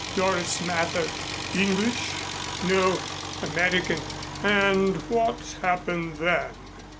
"Doris Mather." "English?" "No, American." "And what happened then?"